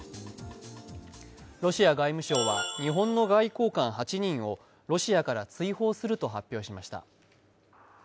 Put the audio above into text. ロシア外務省は日本の外交官８人をロシアから追放すると発表しました。